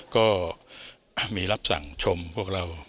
ก็มีรับสั่งชมพวกเรา